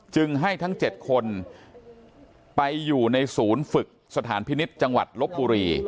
จึงให้ทั้ง๗คนไปอยู่ในศูนย์ฝึกสถานพินิษฐ์จังหวัดลบบุรี